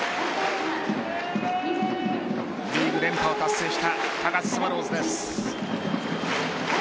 リーグ連覇を達成した高津スワローズです。